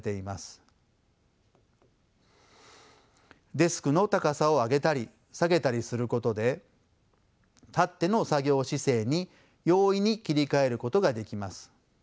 デスクの高さを上げたり下げたりすることで立っての作業姿勢に容易に切り替えることができます。